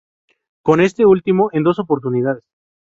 Con este último en dos oportunidades.